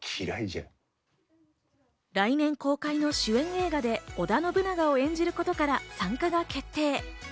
来年公開の主演映画で織田信長を演じることから参加が決定。